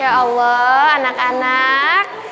ya allah anak anak